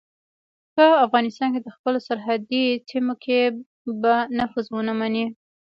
په افغانستان او خپلو سرحدي سیمو کې به نفوذ ونه مني.